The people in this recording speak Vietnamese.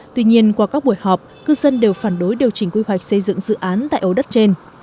tuy nhiên qua các buổi họp cư dân đều phản đối điều chỉnh quy hoạch xây dựng dự án tại ổ đất trên